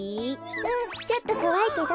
うんちょっとこわいけど。